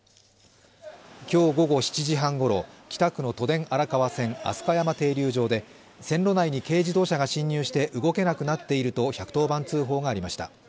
今日午後７時半ごろ、北区の都電荒川線・飛鳥山停留場で線路内に軽自動車が進入して動けなくなっていると１１０番通報がありました。